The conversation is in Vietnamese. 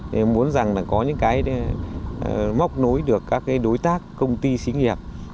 mình muốn rằng là có những cái móc nối được các đối tác công ty xí nghiệp